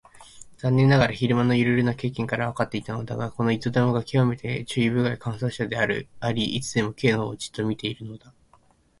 残念ながら昼間のいろいろな経験からわかっていたのだが、この糸玉がきわめて注意深い観察者であり、いつでも Ｋ のほうをじっと見ているのだ。